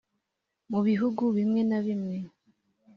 mu bihugu bimwe na bimwe